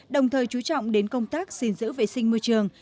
đồng thời chú trọng đến công tác xin giữ vệ sinh môi trường